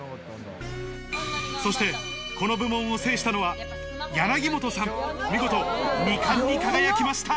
そして、この部門を制したのは柳本さん、見事２冠に輝きました。